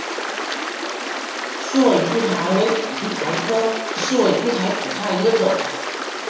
世纬苣苔为苦苣苔科世纬苣苔属下的一个种。